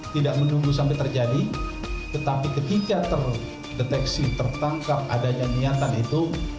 tidak menunggu sampai terjadi tetapi ketika terdeteksi tertangkap adanya niatan itu